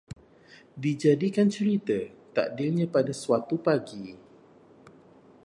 Dijadikan cerita, takdirnya pada suatu pagi